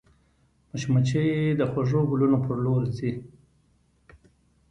مچمچۍ د خوږو ګلونو پر لور ځي